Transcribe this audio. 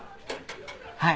はい。